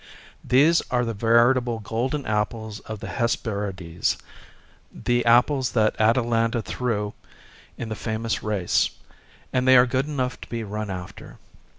These are the veritable golden apples of the Hesperides, — the apples that Atalanta threw in the famous race ; and they are good enough to be run after.